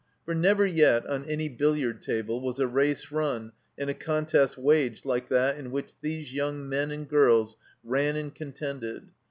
For never yet, on any billiard table, was a race run and a contest waged like that in which these young men and girls ran and contended.